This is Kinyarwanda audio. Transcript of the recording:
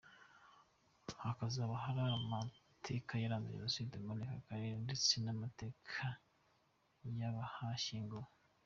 Hakazaba hari amateka yaranze Jenoside muri ako karere ndetse n’amateka y’abahashyinguwe.